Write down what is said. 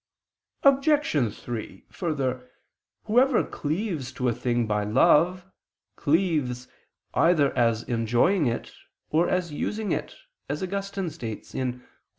Obj. 3: Further, whoever cleaves to a thing by love, cleaves either as enjoying it, or as using it, as Augustine states (De Doctr.